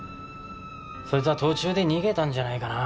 そいつは途中で逃げたんじゃないかな。